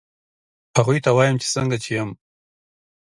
هغوی ته وایم چې څنګه چې یم